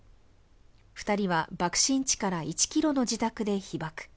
２人は爆心地から１ｋｍの自宅で被爆。